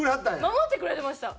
守ってくれてました。